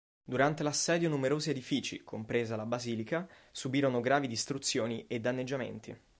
Durante l'assedio numerosi edifici, compresa la basilica, subirono gravi distruzioni e danneggiamenti.